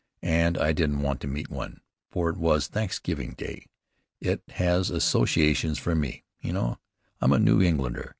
"And I didn't want to meet one; for it was Thanksgiving Day. It has associations for me, you know. I'm a New Englander."